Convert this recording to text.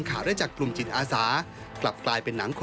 ไม่ได้ทำอาชีพอะไรเป็นหลัก